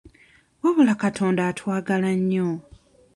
Wabula Katonda atwagala nnyo.